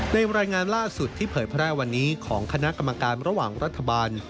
รายงานล่าสุดที่เผยแพร่วันนี้ของคณะกรรมการระหว่างรัฐบาล